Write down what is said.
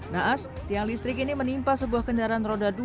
naas tiang listrik ini menimpa sebuah kendaraan roda dua